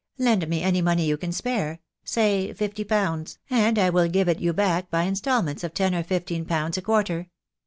Lend me any money you can spare, say fifty pounds, and I will give it you back by instalments of ten or fifteen pounds a quarter.